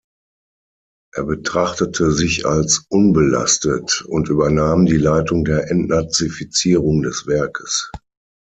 Er betrachtete sich als unbelastet und übernahm die Leitung der Entnazifizierung des Werkes.